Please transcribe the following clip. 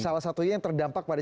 salah satunya yang terdampak pada